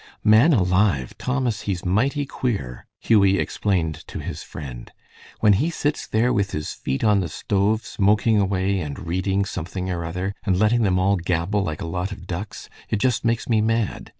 "Man alive! Thomas, he's mighty queer," Hughie explained to his friend. "When he sits there with his feet on the stove smoking away and reading something or other, and letting them all gabble like a lot of ducks, it just makes me mad.